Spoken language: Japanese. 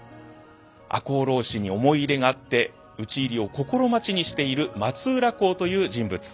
赤穂浪士に思い入れがあって討ち入りを心待ちにしている松浦侯という人物。